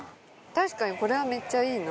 確かに、これはめっちゃいいな。